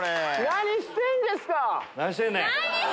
何してんですか！